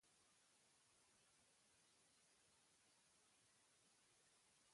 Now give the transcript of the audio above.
Ez dute inoiz ideia baikorrik ikusten.